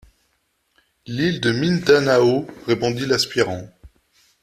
L’île de Mindanao, répondit l’aspirant.